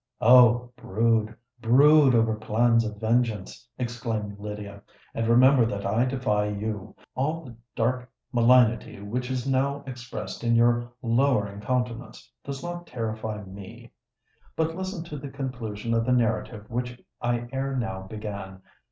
"Oh! brood—brood over plans of vengeance," exclaimed Lydia; "and remember that I defy you! All the dark malignity which is now expressed in your lowering countenance, does not terrify me. But listen to the conclusion of the narrative which I ere now began.